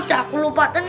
iya kak aku lupa tenang